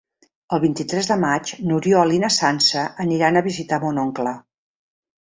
El vint-i-tres de maig n'Oriol i na Sança aniran a visitar mon oncle.